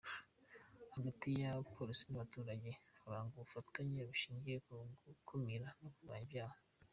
Hagati ya Polisi n’abaturage harangwa ubufatanye bushingiye ku gukumira no kurwanya ibyaha.”